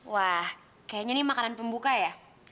wah kayaknya ini makanan pembuka ya